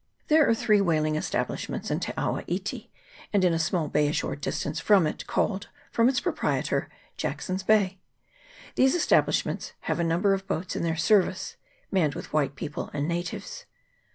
There are three whaling establishments in Te awa iti, and in a small bay a short distance from it, 40 WHALES AND WHALERS. [PART I. called, from its proprietor, Jackson's Bay. These establishments have a number of boats in their service, manned with white people and natives.